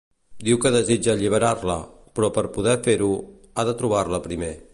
Diu que desitja alliberar-la, però per poder fer-ho, ha de trobar-la primer.